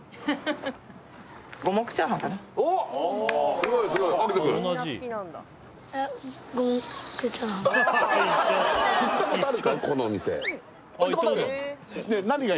すごいすごい煌斗くん行ったことある？